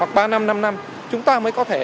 hoặc ba năm năm chúng ta mới có thể